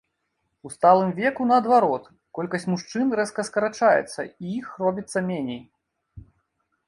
У сталым веку наадварот колькасць мужчын рэзка скарачаецца і іх робіцца меней.